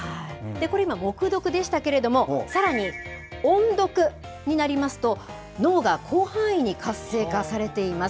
これ、今、黙読でしたけれども、さらに音読になりますと、脳が広範囲に活性化されています。